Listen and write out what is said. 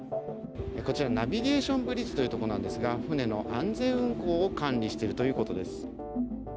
こちら、ナビゲーションブリッジという所なんですが、船の安全運航を管理しているということです。